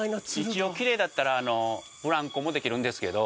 一応、きれいだったらブランコもできるんですけど。